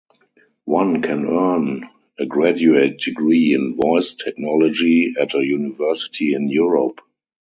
One can earn a graduate degree in voice technology at a university in Europe.